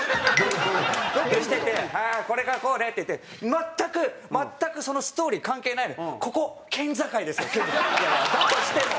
ロケしてて「これがこうで」って言って全く全くそのストーリー関係ないのに「ここ県境ですよ！」。いやいやだとしても！